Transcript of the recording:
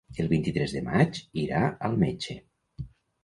El vint-i-tres de maig irà al metge.